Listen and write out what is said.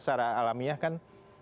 secara alamiah kan